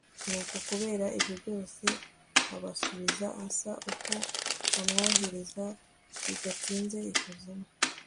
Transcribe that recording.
nuko kubera ibyo byose, abasubiza asaba ko bamwohereza bidatinze ikuzimu